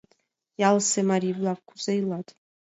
Ялысе марий-влак кузе илат?